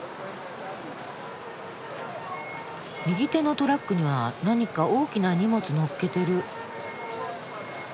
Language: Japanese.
右手のトラックには何か大きな荷物載っけてる。